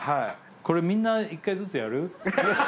これみんな１回ずつやる？